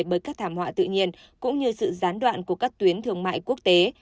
bởi các thảm họa tự nhiên cũng như sự gián đoạn của các tuyến thương mại quốc tế